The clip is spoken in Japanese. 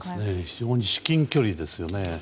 非常にに至近距離ですね。